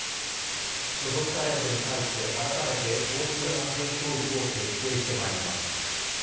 所属タレントに対して改めて交通安全教育を徹底してまいります。